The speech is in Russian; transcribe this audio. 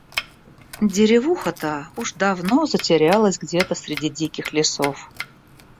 Деревуха та уж давно затерялась где-то среди диких лесов.